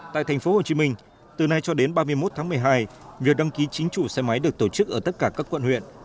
tại tp hcm từ nay cho đến ba mươi một tháng một mươi hai việc đăng ký chính chủ xe máy được tổ chức ở tất cả các quận huyện